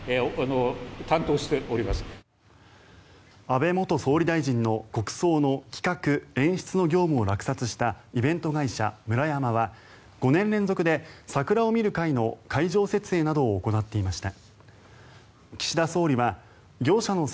安倍元総理大臣の国葬の企画・演出の業務を落札したイベント会社ムラヤマは５年連続で、桜を見る会の会場設営などを行っていました。